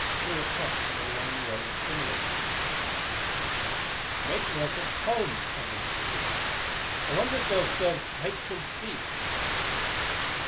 They were across from a long row of similar ones. "Making us right at home," commented Jim. "I wonder if they'll serve cakes and tea."